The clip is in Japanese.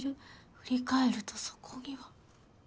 振り返るとそこには」。